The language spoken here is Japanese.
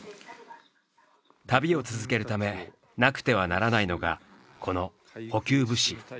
旅を続けるためなくてはならないのがこの補給物資。